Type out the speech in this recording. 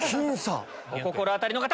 お心当たりの方！